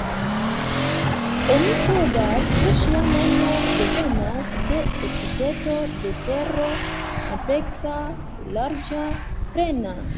Oni kredas ke ŝia nomo devenas de epiteto de Tero: "ampleksa", "larĝa", "plena".